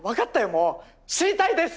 もう知りたいです！